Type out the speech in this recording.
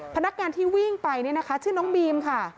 พนักงานที่วิ่งไปเนี่ยนะคะชื่อน้องบีมค่ะ